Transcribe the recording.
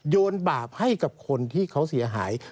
โยนบาปให้กับคนที่เขาเสียหาย